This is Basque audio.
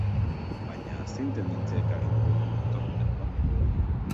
Baina zein tendentziak aginduko du datorren neguan?